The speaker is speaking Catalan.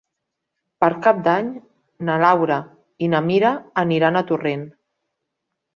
Per Cap d'Any na Laura i na Mira aniran a Torrent.